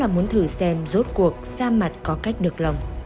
muốn thử xem rốt cuộc xa mặt có cách được lồng